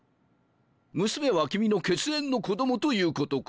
娘は君の血縁の子供ということか？